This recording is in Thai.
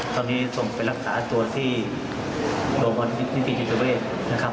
ตอนนี้ส่งไปรักษาตัวที่โรงพยาบาลวิทยุทธิเจอร์เวศน์นะครับ